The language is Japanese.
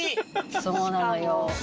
そうなのよ。